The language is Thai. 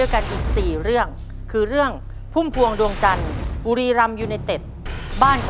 แค่ดูอะ